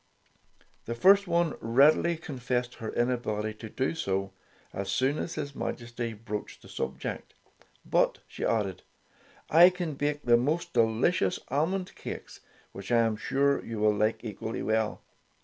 The first one readily confessed her in ability to do so, as soon as his Majesty broached the subject. "But," she added, "I can bake the most delicious almond cakes, which I am sure you will like equally well."